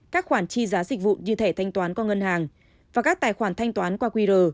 các khoản chi giá dịch vụ như thẻ thanh toán qua ngân hàng và các tài khoản thanh toán qua qr